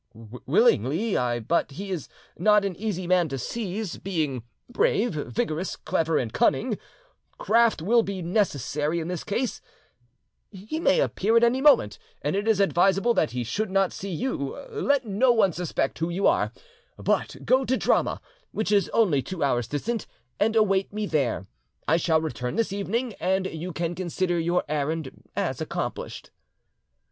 "Willingly I but he is not an easy man to seize being brave, vigorous, clever, and cunning. Craft will be necessary in this case. He may appear at any moment, and it is advisable that he should not see you. Let no one suspect who you are, but go to Drama, which is only two hours distant, and await me there. I shall return this evening, and you can consider your errand as accomplished."